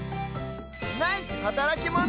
ナイスはたらきモノ！